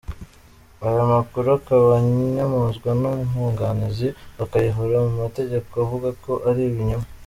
Aya makuru akaba anyomozwa n’umwunganizi wa Kayihura mu mategeko uvuga ko ari ibinyoma.